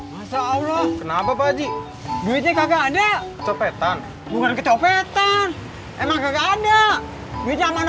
masa allah kenapa pak haji duitnya kagak ada sopetan bukan kecopetan emang ada